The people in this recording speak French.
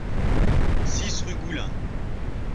six rue Goulin